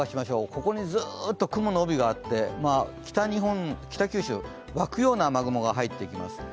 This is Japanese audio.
ここにずっと雲の帯があって北日本、北九州、湧くような雨雲が入ってきます。